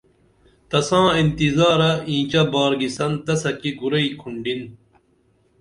تساں انتظارہ اینچہ بارگِسن تسہ کی کُرئی کُھنڈِن